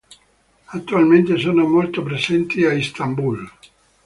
Attualmente sono molto presenti a Istanbul.